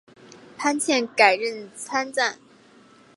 潘靖改任参赞。